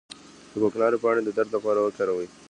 د کوکنارو پاڼې د درد لپاره وکاروئ